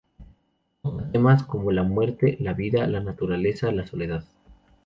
Toca temas como la muerte, la vida, la naturaleza, la soledad.